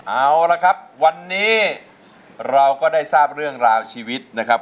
เอาละครับวันนี้เราก็ได้ทราบเรื่องราวชีวิตนะครับ